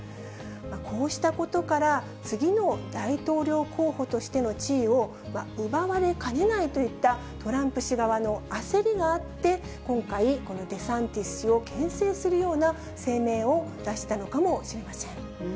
こうしたことから、次の大統領候補としての地位を奪われかねないといった、トランプ氏側の焦りがあって、今回、このデサンティス氏をけん制するような声明を出したのかもしれません。